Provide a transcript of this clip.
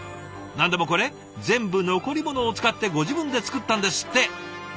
何でもこれ全部残りものを使ってご自分で作ったんですって。